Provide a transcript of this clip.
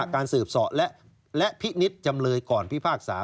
การสืบสอและพินิษฐ์จำเลยก่อนพิพากษา